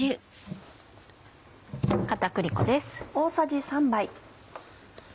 片栗粉です。